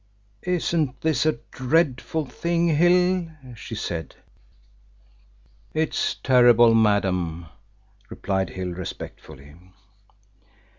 "Isn't this a dreadful thing, Hill?" she said. "It's terrible, madam," replied Hill respectfully.